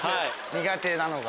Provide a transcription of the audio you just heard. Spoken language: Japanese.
苦手なのが。